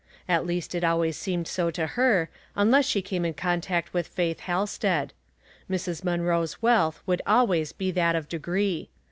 At least it always seemed so to her, unless she came in contact with Faith Halsted. Mrs. Munroe's wealth Avould always be that of degree.